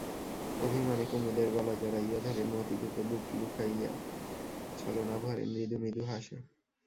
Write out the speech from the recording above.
অভিমানে কুমুদের গলা জড়াইয়া ধরে মতি, বুকে মুখ লুকাইয়া ছলনাভরে মৃদু মৃদু হাসে।